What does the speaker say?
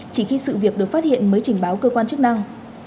chỉ khi sự việc được phát hiện mới trình báo cơ quan chức năng